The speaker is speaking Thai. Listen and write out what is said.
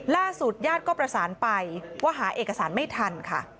ญาติก็ประสานไปว่าหาเอกสารไม่ทันค่ะ